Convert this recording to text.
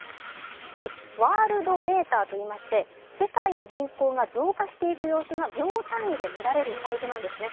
ワールドメーターといいまして世界の人口が増加していく様子が秒単位で見られるサイトなんですね。